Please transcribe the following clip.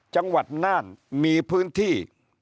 จังหวัดน่านมีพื้นที่